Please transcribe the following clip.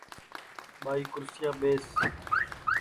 ٻائی کُرسیاپ ٻیس